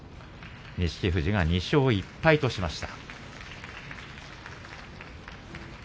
錦富士が、２勝１敗としました。